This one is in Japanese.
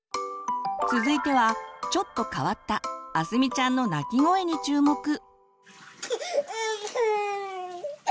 続いてはちょっと変わったあすみちゃんの泣き声に注目。